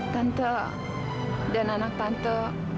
tante dan anak tante